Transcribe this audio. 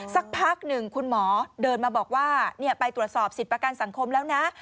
สักพักหนึ่งคุณหมอเดินมาบอกว่าไปตรวจสอบสิทธิ์ประกันสังคมแล้วนะ